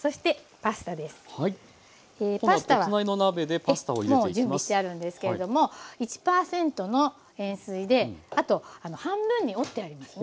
パスタはもう準備してあるんですけれども１％の塩水であと半分に折ってありますね。